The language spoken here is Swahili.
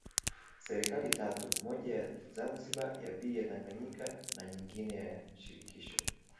Serikali tatu moja ya Zanzibar ya pili ya Tanganyika na nyingine ya shirikisho